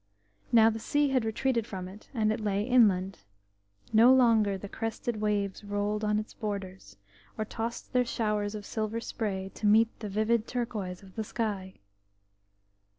Now the sea had retreated from it, and it lay inland; no longer the crested waves rolled on its borders, or tossed their showers of silver spray to meet the vivid turquoise of the sky.